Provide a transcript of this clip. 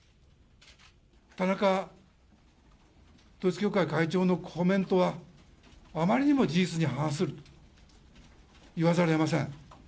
田中統一教会会長のコメントは、あまりにも事実に反すると言わざるをえません。